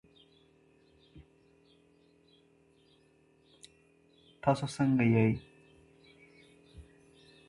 Safa Sultan, a Syrian actress, plays Leila Mourad.